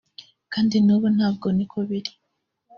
kandi n’ubu ntabwo niko biri